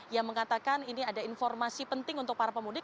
yang mengatakan ini ada informasi penting untuk para pemudik